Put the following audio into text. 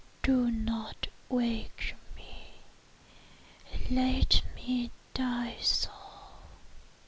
Do not wake me!—let me die so!"